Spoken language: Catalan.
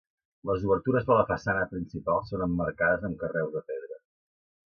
Les obertures de la façana principal són emmarcades amb carreus de pedra.